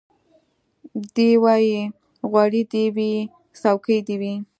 دی وايي غوړي دي وي څوکۍ دي وي